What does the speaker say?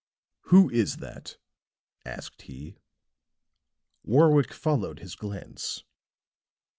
"Who is that?" asked he. Warwick followed his glance.